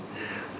từ lâu lắm rồi